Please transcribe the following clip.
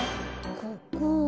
ここ。